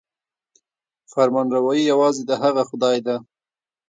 فرمانروايي یوازې د هغه خدای ده.